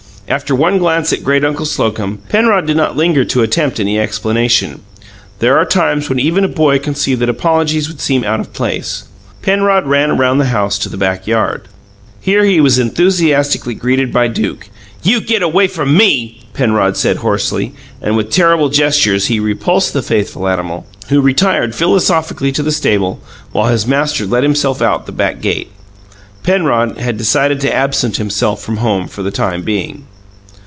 After one glance at great uncle Slocum, Penrod did not linger to attempt any explanation there are times when even a boy can see that apologies would seem out of place. Penrod ran round the house to the backyard. Here he was enthusiastically greeted by Duke. "You get away from me!" Penrod said hoarsely, and with terrible gestures he repulsed the faithful animal, who retired philosophically to the stable, while his master let himself out of the back gate. Penrod had decided to absent himself from home for the time being.